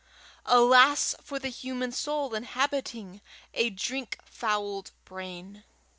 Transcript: Alas for the human soul inhabiting a drink fouled brain!